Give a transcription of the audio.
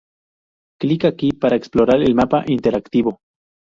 Click aquí para explorar el mapa interactivo.